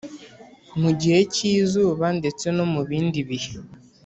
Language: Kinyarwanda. mu gihe k’izuba ndetse nomubindi bihe